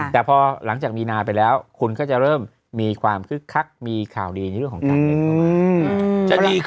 แต่พอหลังจากมีนาไปแล้วคุณก็จะเริ่มมีความคึกคักมีข่าวดีในเรื่องของการเงินเข้ามา